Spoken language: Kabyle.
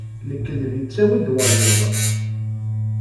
Lekdeb yettawi-d wayeḍ.